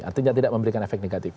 artinya tidak memberikan efek negatif